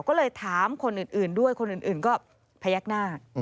ก็เลยถามคนอื่นด้วยคนอื่นก็พยักหน้า